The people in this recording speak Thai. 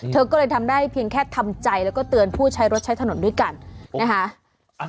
เธอก็เลยทำได้เพียงแค่ทำใจแล้วก็เตือนผู้ใช้รถใช้ถนนด้วยกันนะคะ